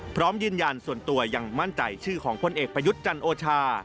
พร้อมยืนยันส่วนตัวยังมั่นใจชื่อของพลเอกประยุทธ์จันโอชา